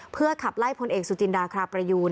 เพื่อขับไล่พลเอกสุจินดาคราประยูน